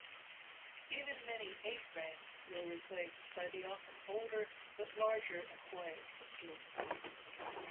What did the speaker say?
Even many A-Frames were replaced by the often older but larger acquired stores.